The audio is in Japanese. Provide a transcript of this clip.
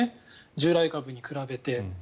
従来株に比べて。